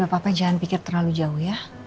gak apa apa jangan pikir terlalu jauh ya